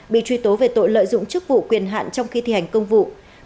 bị truy tố về tội lợi dụng chức vụ quyền hạn trong khi thi hành công vụ